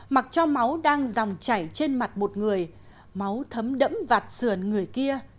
mặc cho máu đang dòng chảy trên mặt một người máu thấm đẫm vạt sườn người kia